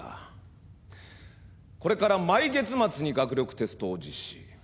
これから毎月末に学力テストを実施。